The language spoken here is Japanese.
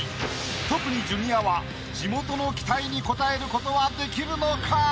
特にジュニアは地元の期待に応える事はできるのか？